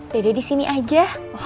dede disini aja